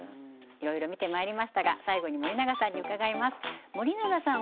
いろいろ見てまいりましたが最後に森永さんに伺います森永さん